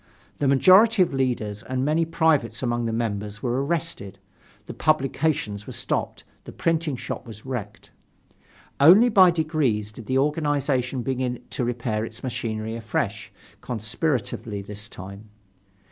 The majority of leaders, and many privates among the members were arrested, the publications were stopped, the printing shop was wrecked. Only by degrees did the organization begin to repair its machinery afresh, conspiratively this time.